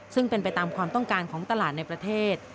ซึ่งเป็นไปตามความต้องการของตลาดในประเทศ